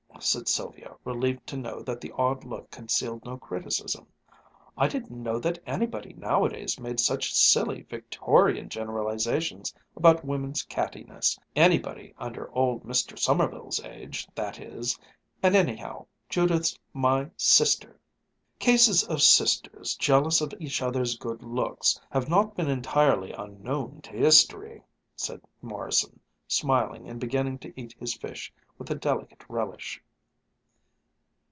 said Sylvia, relieved to know that the odd look concealed no criticism, "I didn't know that anybody nowadays made such silly Victorian generalizations about woman's cattiness, anybody under old Mr. Sommerville's age, that is. And anyhow, Judith's my sister." "Cases of sisters, jealous of each other's good looks, have not been entirely unknown to history," said Morrison, smiling and beginning to eat his fish with a delicate relish.